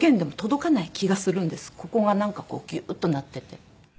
ここがなんかこうギューッとなってて。